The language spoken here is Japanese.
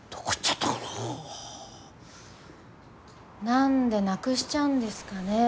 何でなくしちゃうんですかね